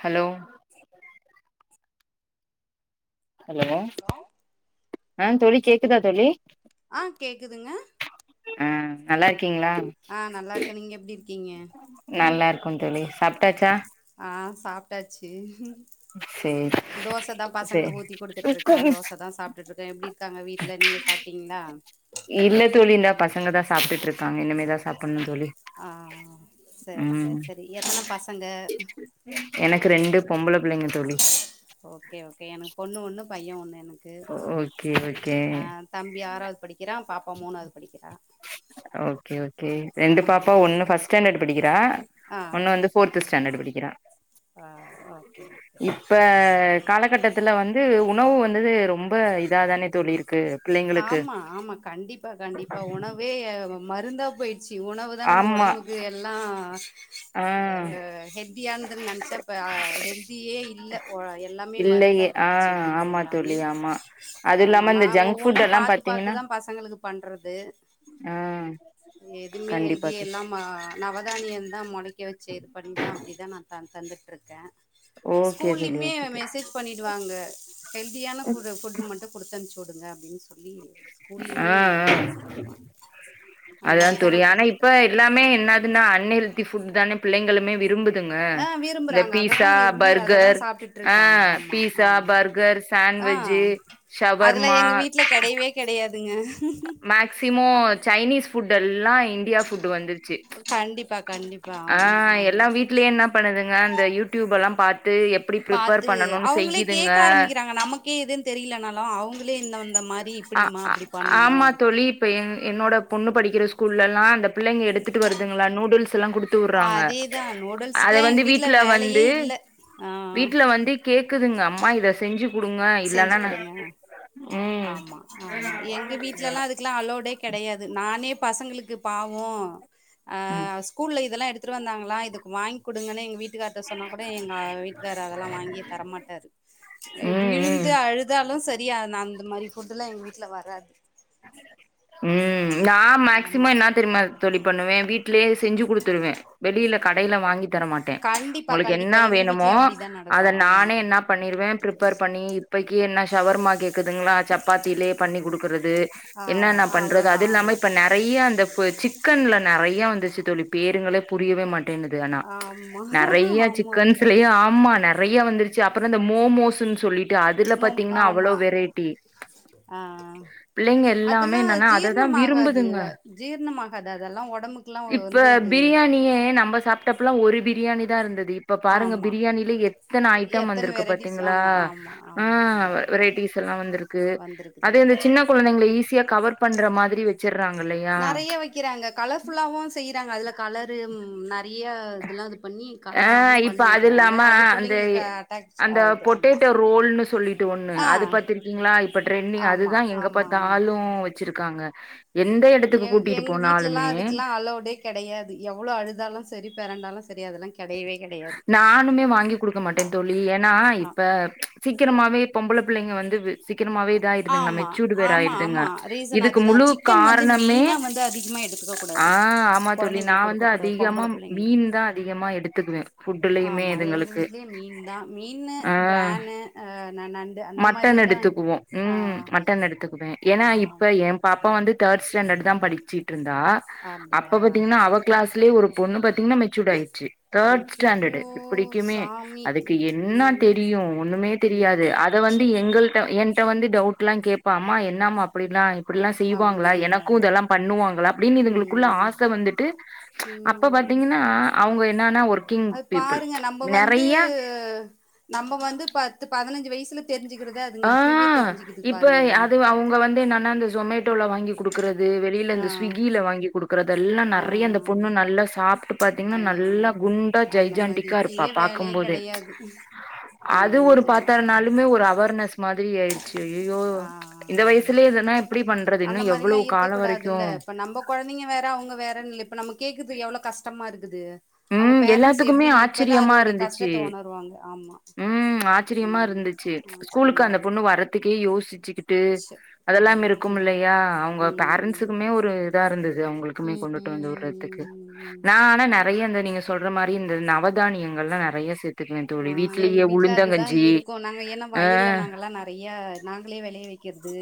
Hello hello hello ஆஹ் தோழி கேக்குதா தோழி ஆஹ் கேக்குதுங்க ஆஹ் நல்லா இரூக் கீங்களா ஆ நல்லா இருக்கே நீங்க எப்டி இருக்கீங்க நல்லா இருக்கு தோழி சாப்பிட்டாச்சா ஆஹ் சாப்பிட்டாச்சு சேரி தோசை தான் சேரி பசங்களுக்கு ஊத்தி குடுத்துட்டு இருக்தேன் தோசை தான் சாப்பிட்டுட்டு இருக்தேன் எப்படி இருக்காங்க வீட்டுல நீங்க சாப்பிட்டீங்களா இல்ல தோழி பசங்க தான் சாப்பிட்டு இருக்காங்க இனமேதான் சாப்பிடணும் ஆ சேரி உம் சேரி சேரி எத்தன பசங்க எனக்கு ரெண்டு பொம்பள பிள்ளைங்க தோழி ஓகே எனக்கு பொண்ணு ஒண்ணு பையன் ஒண்ணு எனக்கு ஓகே ஓகே ஆ தம்பி ஆறாவது படிக்கிறா பாப்பா மூணாவது படிக்கிறா ஓகே ஓகே ரெண்டு ஆ பாப்பா ஒண்ணு பஸ்டேண்டட் படிக்கிறா ஆ ஒன்னு வந்து போர்த் ஸ்டேண்டட் படிக்குது ஆ கேக்குதுங்க ஆ ஓகே ஓகே இப்ப சே காலகட்டத்துல வந்து உணவு வந்தது ரொம்ப இதாதானே தோழி இருக்கு பிள்ளைங்களுக்கு ஆமா ஆமா கண்டிப்பா கண்டிப்பா உணவே மருந்தா போயிட்டு உணவு தான் நம்ம ஆமா உடம்புக்கு எல்லாம் ஆ அஹ் ஹெல்தியா இருந்துன்னு நெனைச்சா ஹெல்தியே இல்ல எல்லாமே மருந்தா இல்லையே ஆ போயிடுச்சு உணவு ஆமா எல்லாமே தோழி ஆமா அது ஆமா இல்லாம நா இந்த ஜங்க் ஒவ் வொன்ஒண்ணு ஃபுட் எல்லா பாத்து பாத்து பாத்தீங்கன்னா தான் பசங்களுக்கு பண்றது ஆ எதுவுமே கண்டிப்பா தோழி ஹெல்த்திலாம் நவதானியம் தான் மொளைக்க வச்சு சேது பண்ணிதான் அப்டிதான் நான் நா தந்துட்டுருக்கன் ஓகே தோழி ஸ்கூல்லயுமே ஓகே தோழி மெசேஜ் பண்ணிடுவாங்க ஹெல்தியான புட் மட்டும் கொடுத்தனுச்சு [unintelligible] [unintelligible] ஸ்கூல்லயுமே மெசேஜ் பண்ணுவாங்க அந்த அதுதான் மாரிதா தோழி நா ஆனா இப்ப குடுத்துட்ருக்கே எல்லாமே என்னதுன்னா அன்ஹெல்தி புட் தானே பிள்ளைங்களுமே விரும்புது ங்க ஆ இந்த விரும்புறாங்க அததா பீஸா விரும்பி அததா பர்கர் சாப்ட்டுட்ருக்காங்க ஆஹ ஆமா பீஸா ஆமா பர்கர் ஆ சாண்ட்வஜ் அதெல்லா ஷவர்மா எங்க வீட்ல கெடையவே கெடையாதுங்க மேக்சிமோம் சைனீஸ் புட் எ ல்லாம் இந்தியா ஃபுட் வந்துருச்சு கண்டிப்பா கண்டிப்பா ஆமா ஆஹ் ஆமா எல்லாம் வீட்லயே என்ன பண்ணுது அந்த யூடியூப் எல்லாம் பாத்து எப்டி ப்ரிப்பேர் பாத்து பண்ணணுன்னு அவுங்களே செய்யுதுங்க கேக்க ஆரம்பிக்கிறாங்க நமக்கே எதுன்னு தெரியலனாலும் அவுங்களே இந்தந்த மாதிரி ஆ இப்டிம்மா ஆ அப்படி ஆமா பண்ணணும் ஸ்கூல்ல எல்லாம் அந்த பிள்ளைங்க எடுத்துட்டு வருதுங்களா நூடுல்ஸ் எல்லாம் குடுத்துவுறாங்க அதேதா அதை நூடுல்ஸுக்குலா எங்க வந்து வீட்ல வேலையே வந்து இல்ல ஆ வீட்ல வந்து கேக்குதுங்க மா இதை செஞ்சு குடுங்க இல்லன்னா செஞ்சு நா குடுங்க ம் ஆமா ஆமா எங்க வீட்ல எல்லாம் அதுக்கெல்லாம் அளோடே கெடையாது நானே பசங்களுக்கு பாவோம் ம் ஆஹ் ஸ்கூல்ல இதெல்லாம் எ எடுத்துட்டு வந்தாங்களா இதுக்கு வாங்கி குடுங்க எங்வீட்டு வீட்டுக்கார்ட்ட சொன்னா கூட எங்க வீட்டுக்கார் அதெல்லாம் வாங்கியே தரமாட்டாரு ம் ம் அழுதாலும் சரி நான் அந்த மாரி ஃபுட்டு எல்லாம் எங்க வீட்ல வராது உம் நான் ஆமா மேக்சிமம் என்னா தெரியுமா தொழி பண்ணுவேன் வீட்லேயே செஞ்சு குடுத்துருவேன் வெளியில கடையில வாங்கி தர மாட்டேன் கண்டிப்பா உங்களுக்கு கண்டிப்பா என்னா எங்க வேணுமோ வீட்லயு அப்டிதா நடக்கு அதை ஆமா நானே என்ன பண்ணிருவேன் பிரிப்பேர் பண்ணி பைக்கி என்ன ஷவர் மா க்குதுங்களா சப்பாத்திலே பண்ணி கொடுக்க ப்பறது ஆ என்னன பண்றது அவ்ளோதா அது இல்லாம இப்ப அவ்ளோதா நிறைய அந்த ச சிக்கன்ல நிறைய வந்துச்சு தோழி பேருங்களே புரியவே மாட்டேன் னா ஆமா நிறைய ஆமா சிக்கன் ஆமா சிலே ஆமா நைய நிறைய வந்துருச்சு அப்புறம் இந்த மோமோஸ்ன்னு சொல்லிட்டு அதுல மோம் பாத்தீங்கன்னா அவ்ளோ ஆமா வெரைட்டி பிள்ளைங்க எல்லாமே அதெல்லாம் என்னன்னா அததான் ஜீர்ணமாகாது விரும்புதுங்க. ஜீர்ணமாகாது அதெல்லாம் உடம்புக்குெல்லாம் இப்ப வந்து அது பிரியாணியே நம்ம சாப்பிட்டப்பலாம் ஒரு பிரியாணி தான் இருந்தது இப்ப பாருங்க ஆமா பிரியாண எத்தன ஐட்டம் எத்தன வந்துருக்கு வெரைட்டிஸ் பாத்தீங்களா ஆமா ஆமா ஆமா ஆமா ஆமா வெரைட்டீஸ் எல்லாம் வந்திருக்கு அது சின்ன கொழந்தைங்கள ஈஸியா கவர் பண்ற மாதிரி வச்சர்றாங்க இல்லையா நிறைய வைக்கிறாங்க கலர்ஃபுல்லாவும் செய்யறாங்க அதுல கலரு நிறைய இதெல்லாம் இது பண்ணி ஆ கலர் இப்ப அது பண்ணிடுறாங்க இல்லாம அது அந்த பிள்ளைங்களுக்கு அட்டாச் அந்த ஆகுது ஆமா பொட்டேட்டோ [unintelligible] ஒண்ணு ஆ அது பத்திருக்கீங்களா இப் இப்ப ட்ரெண்டிங் ஆமா அதுதான் எங்க ஆமா ஆமா பத்தாலும் வச்சிரு ருக்காங்க எ எங்க வீட்டுலல்லாம் அதுக்குல்லாம் அளவுடே கிடையாது எவ்ளோ அழுதாலும் சரி பிறண்டாலும் ச சரி அதெல்லாம் கே நானுமே வாங்கி குடுக்க மாட்டேன் தோழி ஏன்னா ஆ இப்ப சீக்கிரமாவே பொம்பளை பிள்ளைங்க வந்து சி சீக்கிரமாவே இதாயுடுதங்களமே ஆமா மெச்சூடு ஆமா வேராயிருதுங்க ஆமா ரீசன் இதுக்கு அதுதா முழு சிக்கன் வந்து காரணமே மெயினா வந்து அதிகமா எடுத்துக்க கூடாது ஆஹ் ஆமா தோழி கொழந்தைங்களுக்கு நான் குடுக்க வந்து கூடாது அதிகமா பொம்பள புள்ளைங்களுக்கு மீன் தான் அதிகமா எடுத்துக்குவேன் ஆமா எங்க வீட்லயே மீன் தான் மீன் ஆ பிரான் ஆஹ் மட்டன் எடுத்துக்குவோம் ஆ உம் மட்டன் எடுத்துக்குவேன் ஏன்னா ஆ இப்ப என் பாப் அப்ப வந்து தேர்ட் ஸ்டாண்டர்ட் தான் படிச்சிட்டு இருந்தா அப்ப அப்டியா பாத்தீங்கன்னா அவ கிளாஸ் லே ஒரு பொண்ணு பத் மெச்சூ ஆயிடுச்சு தேர்ட் ஸ்டாண்டர்டு அய்யய்யோ இப்படிக்குமே சாமி அதுக்கு என்ன ம் தெரியும் ஒண்ணுமே தெரியாது ம் அது வந்து ச்ச எங்கள் என்ட்ட வந்து டவுட் எல்லாம் கேட்பா அம்மா என்னாம அப்டிலாம் இப்படில்லாம் செய்வாங்களா அப்டிங்களா எனக்கும் இதெல்லாம் பண்ணுவாங்களா அப்டின்னு இதுங்களுக்குள்ள ம் ஆச வந்துட்டு அப்ப ம் பார்த்தீங்கன்னா அவங்க என்னா ஒர் அது பாருங்க நம்ம வந்து நம்ம வந்து பத்து பதினைஞ்சு வயசு தெரிஞ்சி ஆஹ் இப்ப அது அவங்க வந்து என்னன்னா இந்த ஜொமேட் டோலா வாங்கி கொடுக்குறது வெளில ஆ அந்த ஸ்விக்கியில வாங்கி் கொடுக்குறது இதெல்லாம் ஆ நெறைய அந்த பொண்ணு நல்லா சாப்புட்டு பார்த்தீங்கன்னா ஐயையோ நல்லா குண்டா ஜய அந்த மாரி ஜாண்டிக்கா இருப்பா இங்கயே வேலையே பாக்கும்போது கெடையாது அது எங்க ஒரு வீட்லலா பார்த்தனாலுமே ஒரு அவர்னஸ் மாரி ஆயிடுச்சு அய்யயோ ஆ இந்த வயசுலயே இதன்னா எப்டி பண்றது அந்த இன்னும் மாரிலா எவ்வளவு இருக்க காலம் கூடாதுல்ல வரைக்கும் இப்ப நம்ம கொழந்தைங்க வேற அவங்க வேறன்னு இல்ல இப்ப நம கேக்குது எவ்ளோ கஷ் உம் எல்லாத்துக்குமே இப்பதா ஆச்சரியமா அதோடைய இருந்துச்சு கஷ்டத்த உணருவாங்க ஆமா உஹம் ஆச்சரியமா ம் இருந்துச்சு ஆ ஸ்கூலுக்கு சரிம்மா அந்த பொண்ணு இருக்குது வரறதுக்கே யோசிச்சுக்கிட்டு ச்ச அதெல்லாம் கடவுளே இருக்கும் இல்லையா அவங்க ம் ம் பேரண்ட்ஸக்குமே ஒரு இதா இருந்தது அவங்களுக்குமே ம் ம் கொண்டுட்டு வந்து ம் விறத்துக்கு ம் ம் நான் ந ந ஐயா இந்த நீங்க சொல்ற மாரி இந்த நவதானியங்கள் எல்லாம் நிறைய சேத் ஆஹ் எங்க வீட்டு்ல அதுதான் இருக்கும் நாங்க ஏன்னா ஆ வயல்ல நாங்கல்லாம் நிறைய நாங்களே விளைய வைச் வைக்கிறது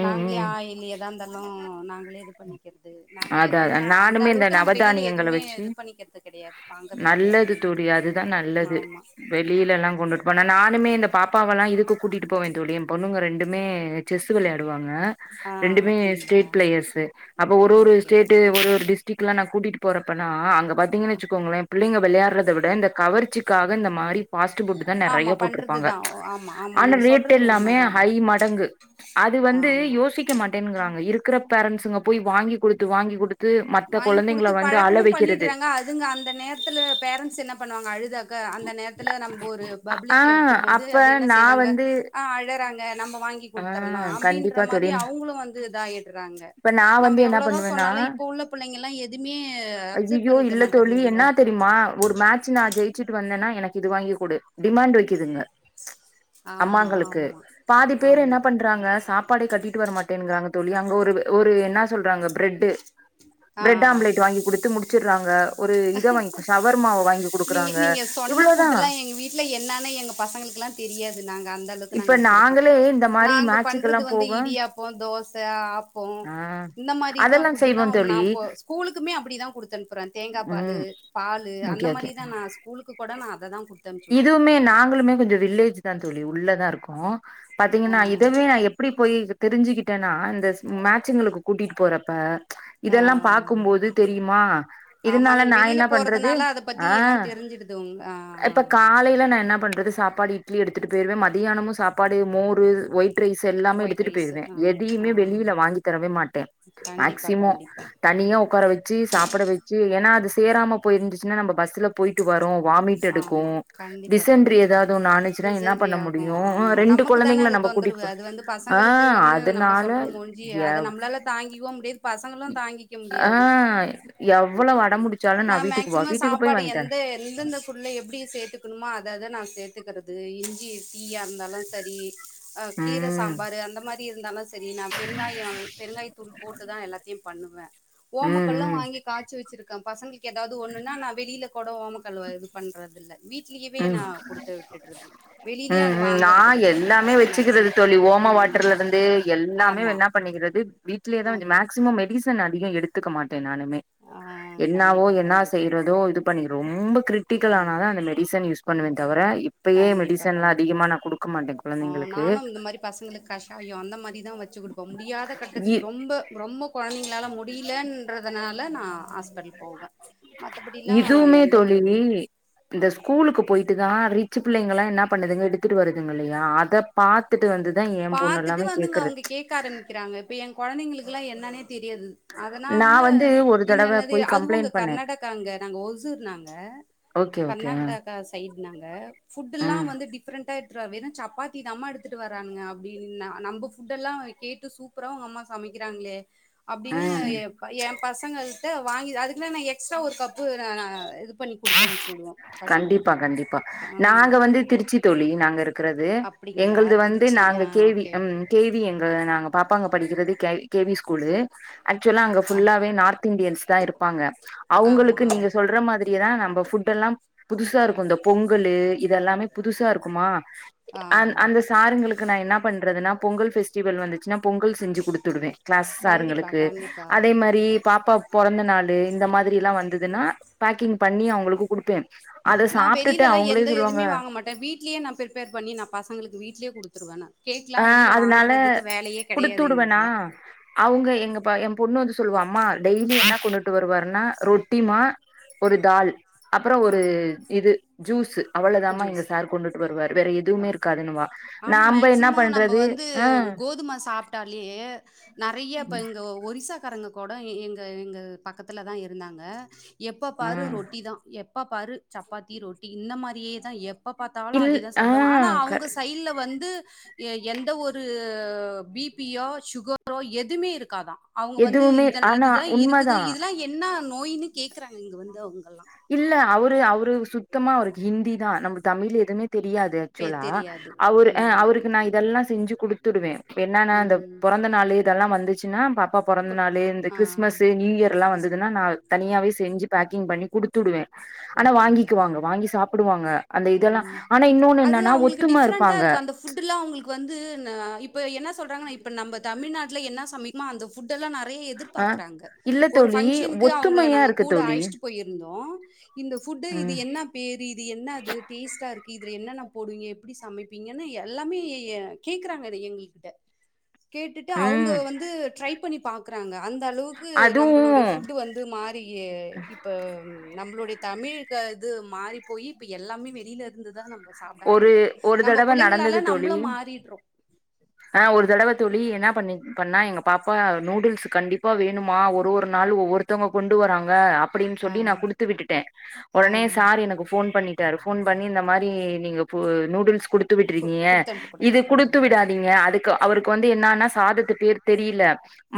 ம் நாங்களே ம். ஆயில் ஏதா இருந்தாலும் நாங்களே இது பண்ணிக்கிறது நாங்க அதான் எதுவுமே அதான் அந்த நானுமே இந்த அளவுக்கு நாங்க வெளியில நவதானியங்கள எதுவுமே வச்சு இது பண்ணிக்கிறது கிடையாது வாங்கறது கிடையாது நல்லது தோழி அதுதா நல்லது வெளியில எல்லாம் கொண்டுட்டு போனா நானுமே இந்த பாப்பாவெல்லாம் இதுக்கு கூட்டிகிட்டு போவேன் தோழி பொண்ணுங்க ரெண்டுமே விளையாடுவாங்க ஆ ரெண்டுமே அப்டிங்களா ஸ்டேட் பிளேயர்ஸ் அப்ப ஒரு ஒரு ஓகே ஸ்டேட் ஓகே ஓகே ஒரு டிஸ்டிக்ல ந கூட்டிகிட்டு போறப்பனா அங்க பார்த்தீங்கன்னு வச்சுக்கோங்களே பிள்ளைங்க விளையாடுறதை விட இந்த கவர்ச்சிக்காக இந்த மாரி தான் நிறைய ஆமா போட்டிருப்பாங்க பண்றதுதா ஆமா ஆமா ஆனா நீங்க ரேட் சொல்றது எல்லாமே உண்மதா அது ஹை மடங்கு அது வந்து ஆமா யோசிக்க மாட்டேன்ங்கிறாங்க இருக்கிற பேரண்டட்ஸ் இதுங்க போய் வாங்கி கொடுத்து வாங்கி கொடுத்து வாங்கி குடுத்து பழக்கமும் பண்ணிட்டுறாங்க அதுங்க அந்த நேரத்துல பேரண்ட்ஸ் என்ன பண்ணுவாங்க அழுது அந்த நேரத்தில்ல நம்ம ஒரு ஆ பப்ளிக்ல இருக்கும் போது அப்ப அது என்ன நா செய்வாங்க வந்து அழறாங்க நம்ம வாங்கி ஆ கொடுத்தரலாம் கண்டிப்பா அப்படின்ற தோழி மாரி அவங்களும் வாங்கிக் கொடுத்திர்லாம் ஆப்டிறாங்க இப்ப நா நம்ம வந்து என்ன எவ்வளவுதான் பண்ணுவேன்னா சொன்னாலும் இப்ப இப்ப உள்ள பிள்ளைங்க எல்லாம் எதுவுமே அப்சர்வ் ஐய்யய்யோ பண்ணிக்க இல்ல மாட்டது தோழி இல்ல என்னா தெரியுமா ஒரு மேட்ச் நா ஜெயிச்சுட்டு வந்தேன்னா எனக்கு இது வாங்கி கொடு டிமாண்ட் வைக்குதுங்க ஆமா அம்மாங்களுக்கு ஆமா பாதி பேரு என்ன ஆமா பண்றாங்க சாப்பாடை கட்டிட்டு வரட்டேங்குிறாங்க தொழி அங்க ஒரு ஒரு என்ன சொல்றாங்க பிரெட் ஆ பிரெட் ஆ ஆம்லெட் வாங்கி கொடுத்து முடிச்சு ரங்க நீங்க நீங்க சொன்ன இவ்ளோதா புபுட்டு் எல்லாம் எங்க வீட்டுல என்னன்னு எங்க பசங்களுக்கெல்லாம் தெரியாது நாங்க அந்த அளவுக்கு இப்ப நாங்க வச்சிருக்கோம் நாங்களே இந்த மாரி நாங்க மேட்சுக்கெல்லா பண்றது வந்து போக இடியாப்பம் தோசை ஆப்பம் ஆ இந்த மாதிரிதான் அதெல்லா ஃபுட்டு் செய்வோ தான் தோழி நான் ஸ்கூலுக்குமே அப்படிதான் குடுத்து அனுப்புறேன் தேங்காய ப்ப ம் பாலு அந்த ஓகே ஓகே மாதிரிதான் நான் ஸ்கூலுக்கு கூட நான் அததான் குடுத்த அனுச்சு விட்டுட்டு இதுவுமே இருக்கேன் உ பாத்தீங்கன்னா இதவே நான் எப்படி போயி தெரிஞ்சுிக்கிட்டேனா இந்த மேட்சுங்களுக்கு கூட்டிட்டு போறப்பா ஆ இதெல்லாம் பாார்க்கபோது தெரியுமா ஆமா இதனால நீங்க நான் வெளில என்ன பண்றது போறதுனால அத பத்தி எல்லா ஆஹ் தெரிஞ்சிடுது உங் ஆ ஆ இப்ப காலையில நான் என்ன பண்றது சாப்படு இட்லி எடுத்துட்டுயவே மத்தானும் சாப்பட்டு பாடு மோறு ஒய் இன்ரைஸ் எல்லாம ஒயிட் எடுத்துட்டு ரைஸு போயிருவேன் ஆ ஆ எதையுமே வெளியில வாங்கி தரவே மாட்டேன் கண்டிப்பா மெக்சிமம் கண்டிப்பா தனியா உட்கார வச்சு சாப்பிட வச்சு ஏனா அது சேராம போயிருந்துச்சினா நம்ம இருந்துச்சுா நம பஸ்ல போயிட்டு வரோம் வாமிட் ஆமா எடுக்கும் கண்டிப்பா டிசன்ரி கண்டிப்பா கண்டிப்பா. ஏதாவது ஆனுச்சுன்னா என்ன டிசென்ட்ரி பண்ண ஆகு முடியும் ஆமா நமக்கு தானே அது தொந்தரவு அது வந்து ஆ பசங்களுக்குன்னு நம்ம அதனால சொல்ற முடிஞ்சு அதை நம்மளால தாங்கவோ முடியாது பச ஆஹ் எவ்வளவு வட முடிச்சாலும் நா நான் வீட்டுக்கு போன் வீட்டுக்கு போய் வாங்கி தரேன் உள்ள எப்படி சேர்த்தக்கணுமோ அத அத நான் சேர்த்து எத்துக்கிறது இஞ்சி தீயா இருந்தாலும் சரி அஹ் கீரை ம் சாம்பாரு அந்த மாதிரி இருந்தால சேரி நான் பெருங்காயம் பெருங்காய் தூள் போட்டு தான் எல்லாத்தையும் பண்ணுவேன் ம் ஓமக்கல்லும் ம் வாங்கி காய்சி வச்சிருக்கு பசங்க ஏதாவது ஒண்ணுன்னா நான் வெளியில கொட ஓம கல்லவாது பண்றது இல்ல உம் விட்டுடுறது வெளியிலயு உம் அது உம் வாங்கறது நான் கெடையாது எல்லாமே வச்சுக்கிறது மேக்சிமம் தோழி ஓம ம் வாட்டர்ல இருந்து எல்லாமே ஆமா என்ன பண்ணிக்கிறது வீடலயே தான் ஆமா மே்சிமம் மெடிசன்ஸ் நடிகை எடுத்துக்க மாட்டேன் ட்ட நானுமே ஆ என்னாவோ கண்டிப்பா என்ன கண்டிப்பா செய்யிறதோ இது பண்ணி ரொம்பப் கிரிட்டிக்கில் கண் ஆனாத அந்த மெ டிசன் யூஸ் பண்ணுவேன் தவிர இப்பயே கண்டிப்பா மெடிசன்லா கண்டிப்பா அதிகமா நா குடுக்க மாட்டே ஆ கொழந்திங்களுக்கு நானும் ச்சு குடுப்போ முடியாத கட்டத்துக்கு ரொம்ப ரொம் ம்ப கொழ்ந்திங்க என்னால முடியிலன்றதுனால நா ஹாஸ்பிட்டல் போவே மத்தபடியில்லா எந்த ஒரு இதுமே இ இந்த ஸ்கூலுக்கு போயிட்டுதா ரீட் ச்சி பிள்ளைங்குல்லா என்ன பண்ணதுங்க எடுத்துட்டு வருது இதுங்குல்லீயா அத பாத்துட்டு வந்து பாத்துட்டு வந்துங்க அவுங்க கேக்க ஆரம்பிக்கிறாங்க இப்ப என் கொழந்திங்களுக்கு என்னனுத் தெரியது அதுனா நா வந்து ஒரு தடவ என்னென்னது போய் அதுவுங்க கம்ப்ளைண்ட் பண்ணே கர்நாடகாங்க நாங்க ஒசூர்னாங்க ஓகே ஓகே கர்நாடகா சைட் நாங்க ஃபுட்டுல்லா ம் வந்து டிஃப்ரெண்டா உத்ரா வெறும் சப்பாத்தி தாம்மா எடுத்துட்டு வராங்க அப்டின்னா நம்ம ஃபுட்டெல்லா கேட்டு சூப்புரா அவுங் அம்மா சமைக்கிறாங்களே அப்டின்னு ம் எ ப ஏ பசங்க ட்டு வாங்கி அதுக்குனே எக்ஸ்ட்ரா ஒரு கப்பு நா நா இது பண்ணி குடுத்து அனுப்ச்சு விடுவோ பசங்களுக்கு கண்டிப்பா கண்டிப்பா ம் நாங்க வந்து திருச்சி தோழி நாங்க இருக் க்குறது அப்டிங்களா எங்குளுது வந்து திருச்சி நாங்க ஆ கேவி ஓகே எம் ஓகே கேவி எங்க நாங்க பாப்பாங்க படிக்கிறது கெய் கேவி ஸ்கூ கூலு ஆஷ்சுலா அங்க ஆ ஃபுல்லாவே நார்த் இந்தியன்ஸ்தான் இருப்பாங்க ஆமா அவுங்களுக்கு ஆமா நீங்க சொல்ற மாதிரி ஆஹ் நம்ம ஃபுட்டுல்லாம் புதுசா இருக்கு இந்த பொங்கல்லு இதெல்லாமே புதுசா இருக்குமா ஆ அந் அந்த சாருங்களுக்கு நா என்ன பண்றதுனா பொங்கல் பெஸ்டிவல் வந்துச் பொங்கல் செஞ்சு குடுத்துவிடுவேன் கிளாஸ் கண்டிப்பா சாருங்களுக்கு கண்டிப்பா அதே மாரி பாப்பா பொறந்த நாளு இந்த மாதிரி எல்லா வந்ததுன்னா பேக்கிங் பண்ணி அவங்களுக்கு குடுப்பே அத நா சாப்ட்டுட்டு வெளியிலல்லா அவங்களே எந்த சொல்லுவாங்க எதுவுமே வாங்க மாட்டே வீட்லயே நா பிப்பேர் பண்ணி நா பசங்களுக்கு வீட் ட்லே குடுத்துவே நான் ஆஹ் அதுனால குடுத்து கெடையாது விடுவேனா எங்களுக்குலா அவுங்க எங்க பைய பொண்ணு வந்து சொல்லுவா அம்மா டெய்லி என்ன கொண்டுட்டு வருவாருன்னா ரொட்டிமா ஒரு தால் அப்புறோ ஆ ஒரு இது ஜூஸ் அவ்வுளோதாம எங்க ஜூஸ் சார் கொண்டுட்டு வருவாரு வேற எதுவுமே இருக்காதுன்னுவா நாம்ப என்னப் னு நம்ம வந்து கோதும சாப்புட்டாலியே நெறைய இப்ப இங்க ஒரிசாக் கரங்கக்கடம் எங்க எங்க பக்கத்துல தான் இருந்தாங்க எப்போ பாரு ம் ரொட்டி தான் எப்ப பாரு சப்பாத்தி ரொட்டி இந்த மாதிரியேதான் எ எப்ப பார்த்தாலும் இல் அதுதான் ஆ சாப்பிடுவாங்க ஆனா க அவங்க சைடுல வந்து எந்த ஒரு பிபியோ சுகரோ எதுவுமே இருக்கு க்க தான் அவங்க வந்து எதுவுமே ஆனா இதுதான் உண்மதா இருக்குது இதெல்லாம் என்ன நோய்னுகேக்குறாங்க இங்க வந்துங்கல்லாம் இல்ல அவரு அவரு சுத்தமா அவருக்கு ஹிந்தி தான் நம்ம தமிழ் எதுவுமே தெரியாது பெ ஆக்சுவலா தெரியாது. அவரு ம். அவருக்கு நான் இதெல்லாம் செஞ்சு கொடுத்துடுவேன் என்னன்னா அந்த ம். பிறந்த நாள் ல்லாம் வந்துச்சுன்னா பா பிறந்த குட் நாலு இந்த ஆ. கிறி்துமஸ் நியூ இயர் எல்லாம் கிறிஸ் வந்ததுன்னா நான் தனியாவே செஞ்சு பேக்கிங் பண்ணி கொடுத்து அப்படிங்களா சாப்புடுவாங்க அந்த இதெல்லா உம் ஆனா இன்னொன்னு அது என்னன்னா அவங்களுக்கு ஒத்தும டிஃரெண்டா இருப்பாங்க இருக்கு அந்த ஃபுட் எல்லாம் அவங்களுக்கு வந்து இப்ப என்ன சொல்றாங்க இப்ப நம்ம தமிழ்நாட்டல என்ன சமைக்குமா அந்த புட் எல்லாம் நான் நிறைய அ எதிர்பார்க்கறாங்க இல்ல ஒரு தோழி பங்கஷனுக்கு அவங்க ஒத்துமையா நாங்க இருக்கு கூட தோழி அழிச்சட்டு போயிருந்தோம் [unintelligible] இந்த ஃபுட்டு இது ம் என்னா பேரு இது என்னது டேஸ்டா இரு இதுல என்னென்ன போடுவீங்க எப்டி சமப்பீங்கன்னு எல்லாமே கேக்குறாங்க இத எங்கி கிட்ட கேட்டுட்டு அவுங்க ம் வந்து ட்ரை பண்ணி பாக்குறாங்க அந்தளவுக்கு நம்புளுட அதுவு ஃபுட் வந்து மாறி இப்ப நம்பளுடை தமிழ் க து மாறி போய் இப்ப எல்லாமே வெளியிலருந்துதா நம்ப ஒரு ஒரு தடவ நடந்தது தோழி நம்மளும் மாறிடுறோம். அ ஒரு தடவ தொழி என்ன பண்ணி பண்ணா எங்க பாப்பா நூடுல்ஸ்சு கண்டிப்பா வேணுமா ஒரு ஒரு நாளு ஒவ்வொருத்தங்க கொண்டு வராங்க அப்டின் ஆ, சொல்லி நா குடுத்து விட்டுட்டே ஆ. ஒடனே சார் எனக்கு ஃபோன் பண்ணி டரு ஃபோன் பண்ணி இந்த மாரி நீங்க நூடுல்ஸ் குடுத்து ஃபு விட்ருக்கீங்க குடுத்து அனுப்பக்கூடாது. இது குடுத்து ம். விடாதீங்க அடுக்கு அவருக்கு வந்து என்னன்னா சாதத்து பேர் தெரில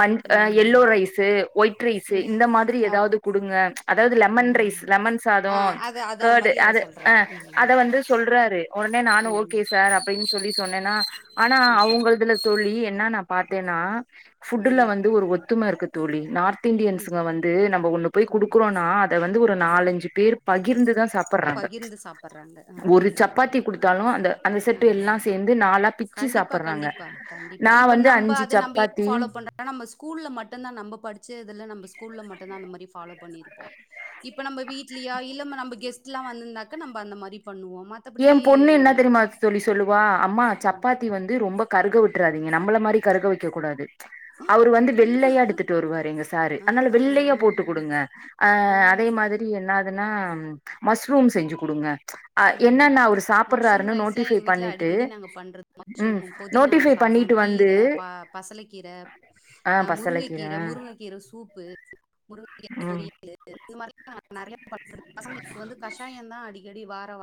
மன் எல்லோ ம். ரைஸ்சு ஒயிட் ரைஸ்சு ம். இந்த மாதிரி அப் ஏதாது குடுங்க அதாது ஆ. லெமன் ட்ரைஸ் லெமன் சாத ஆ அது அத கர்டு மாரி அத அது ஹ சொல்றாரு. ம். அத வந்து சொல்றாரு ஒடனே நானு ம். ஓகே சார் அப்டின் சொல்லி சொன்னேனா ஆனா ம். அவுங்கதுல தோழி என்னனா பாத்தேன்னா ஃபுட்டு்ல ம். வந்து ஒரு ஒத்துமருக்கு தூழி நார்த் ம். டியாந்தியன்ஸுங்க வந்து நம்ம ஒண்ணு போய் ஆ. கொடுக்குறோம்னாது ட வந்து ஒரு நாலஞ்சு பேரு பகிர்ந்து தா சாப் பகிர்ந்து சாப்பர்றாங்க ஒரு சப்பாத்தி குடுத்தாலு அந்த அந்த செட்டு எல்லா ஆ. சேந்து நாலா பிச்சு கண்டிப்பா, சாப்பர்றாங்க கண்டிப்பா, கண்டிப்பா. நா இப்ப வந்து நம்ப அஞ்சு அத நம்ப ஏன் சப்பாத்தி ஃபாலோ பண்றோம்னா, நம்ம கூல்ல மட்டுதா அந்த மாரி ஃபாலோ பண்ணிருப்போ இப்ப நம்ப வீட்லியா இல்ல நம்ப கெஸ் ட்லா வந்துந்தாக்க நம்ப அந்த மாரி பண்ணுவோம். மத்தபடி ஏ பொண்ணு என்ன தெரிமா தோழி சொல்லுவா அம்மா ம். சப்பாத்தி வந்து ரொம்ப கருக விட்றாதிங் நம்பள மாரி கருக வைக்கக்கூடாது அவரு வந்து ஐயோ! வெள்ளயா எடுத்துட்டு வருவாரு எங்க சாரு ஆ, அன்னால வெள்ளயா ஆ, போட்டு குடுங்க ஆ. அதே மாதிரி என்னாதுனா மஸ்ரூம் செஞ்சு குடுங்க அ உம் என்னன்ன அவரு மஷ்ரூம் சாப்புட்றாருன்னு ரைஸ்லா நோட்டிஃபை எங்க வீட்ல பண்ணிட்டு அடிக்கடி நாங்க பண்றது ம் மஷ்ரூம் பொதினா நோட்டிஃபை சாதம் பண்ணிட்டு வந்து கீர ப பசல கீர ஆ அ பசலைக்கீர முருங்ககீர முருங்கக்கீர சூப்பு முருங்கீர ம் பொறியலு இது மாரிதா நெறய [unintelligible] பசங்களுக்கு வந்து கஷாயந்தா அடி எடி வார வா